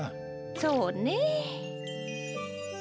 そうねえ。